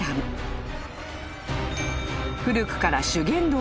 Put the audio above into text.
［古くから］